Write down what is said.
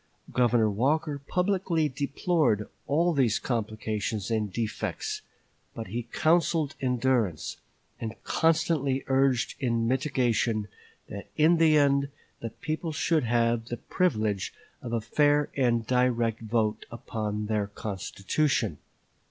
Governor Walker publicly deplored all these complications and defects; but he counseled endurance, and constantly urged in mitigation that in the end the people should have the privilege of a fair and direct vote upon their constitution.